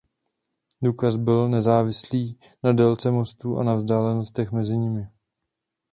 Důkaz byl nezávislý na délce mostů a na vzdálenostech mezi nimi.